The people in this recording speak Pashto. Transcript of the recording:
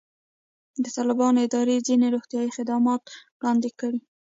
د طالبانو ادارې ځینې روغتیایي خدمات وړاندې کړي.